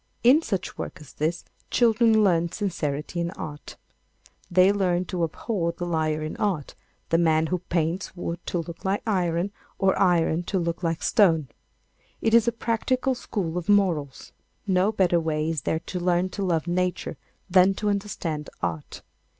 In such work as this, children learn sincerity in art. They learn to abhor the liar in art—the man who paints wood to look like iron, or iron to look like stone. It is a practical school of morals. No better way is there to learn to love Nature than to understand Art.